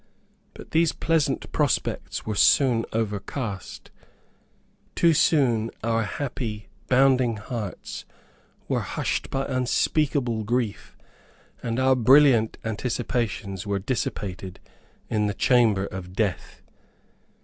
But those pleasant prospects were soon overcast. Too soon, our happy, bounding hearts were hushed by unspeakable grief, and our brilliant anticipations were dissipated in the chamber of death.